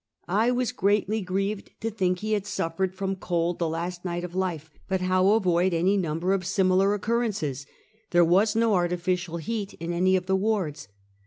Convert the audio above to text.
I was greatly grieved to think he had suffered from cold the last night of life, but how avoid any number of similar occurrences? There was no artificial heat in any of the wards.